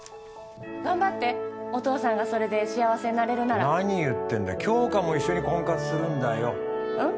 頑張ってお父さんがそれで幸せになれるなら何言ってんだ杏花も一緒に婚活するんだようん？